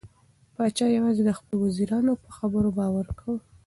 پاچا یوازې د خپلو وزیرانو په خبرو باور کاوه.